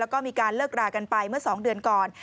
แล้วก็มีการเลิกรากันไปเมื่อ๒เดือนก่อน